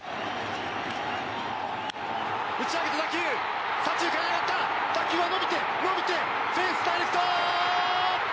打ち上げた打球左中間へ行った打球は伸びて、伸びてフェンスダイレクト！